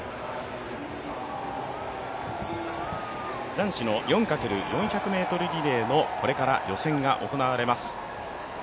男子の４×４００ｍリレーのこれから予選が行われます。